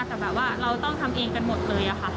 แต่แบบว่าเราต้องทำเองกันหมดเลยค่ะ